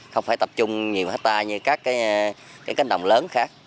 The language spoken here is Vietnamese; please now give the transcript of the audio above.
không phải tập trung nhiều hết ta như các cái đồng lớn khác